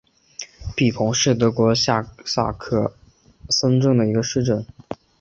比彭是德国下萨克森州的一个市镇。